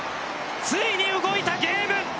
ついに動いたゲーム。